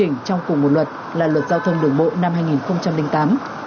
điều chỉnh trong cùng một luật là luật giao thông đường bộ năm hai nghìn tám